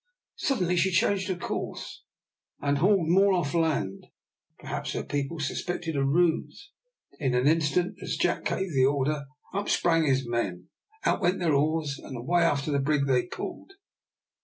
Suddenly she changed her course, and hauled more off the land. Perhaps her people suspected a ruse. In an instant, as Jack gave the order, up sprang his men, out went their oars, and away after the brig they pulled.